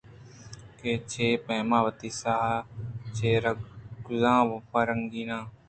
کہ چہ پیم وتی ساہ ءَ چرے گزا ءَ بہ رکہّیناں